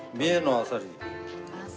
あさり？